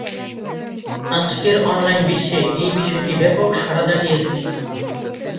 আজকের অনলাইন বিশ্বে এই বিষয়টি ব্যাপক সাড়া জাগিয়েছে।